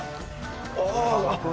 ああ。